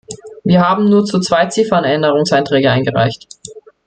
Wir haben nur zu zwei Ziffern Änderungsanträge eingereicht.